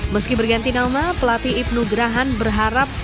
meski berganti nama pelatih ibnu grahan berharap